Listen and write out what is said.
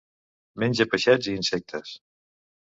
Menja peixets i insectes.